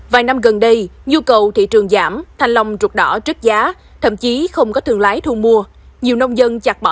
vài năm gần đây nhu cầu thị trường giảm thanh long trục đỏ trích giá thậm chí không có thường lái thu mua